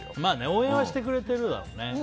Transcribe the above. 応援はしてくれているだろうね。